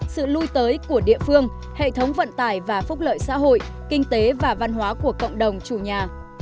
sự lui tới của địa phương hệ thống vận tải và phúc lợi xã hội kinh tế và văn hóa của cộng đồng chủ nhà